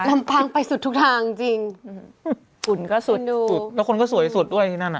ลำปางไปสุดทุกทางจริงฝุ่นก็สุดแล้วคนก็สวยสุดด้วยที่นั่นอะ